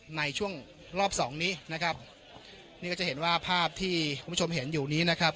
ในช่วงรอบสองนี้นะครับนี่ก็จะเห็นว่าภาพที่คุณผู้ชมเห็นอยู่นี้นะครับ